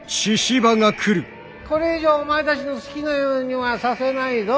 これ以上お前たちの好きなようにはさせないぞ。